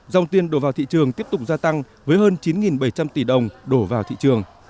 dòng tiền đổ vào thị trường tiếp tục gia tăng với hơn chín bảy trăm linh tỷ đồng đổ vào thị trường